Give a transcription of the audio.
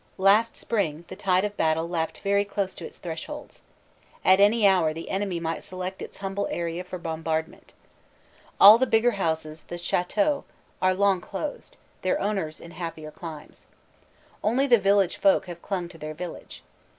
Last spring the tide of battle lapped very close to its thresholds. At any hour the enemy might select its humble area for bombardment. All the bigger houses the Chateaux are long closed, their owners in happier climes. Only the village folk have clung to their village.